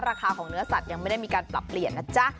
ราคาของเนื้อสัตว์ยังไม่ได้มีการปรับเปลี่ยนนะจ๊ะ